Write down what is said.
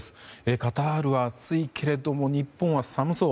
カタールは暑いけれども日本は寒そう。